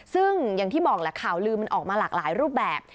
ซึ่งอย่างที่บอกแหละข่าวลือมันออกมาหลากหลายรูปแบบ